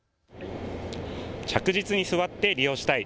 着実に座って利用したい。